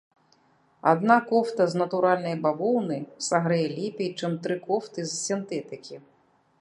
Адна кофта з натуральнай бавоўны сагрэе лепей, чым тры кофты з сінтэтыкі.